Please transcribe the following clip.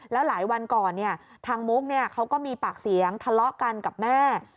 แล้วหลายวันก่อนทางมุกเขาก็มีปากเสียงทะเลาะกันกับแม่